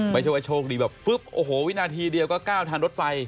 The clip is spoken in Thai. ไม่ใช่ว่าโชคดีแบบฟึ๊บโอ้โหวินาทีเดียวก็ก้าวทันรถไฟ